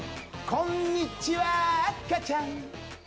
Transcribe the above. こんにちは赤ちゃん